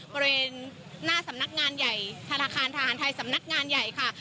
บริเวณหน้าสำนักงานใหญ่ธนาคารทหารไทยสำนักงานใหญ่ค่ะ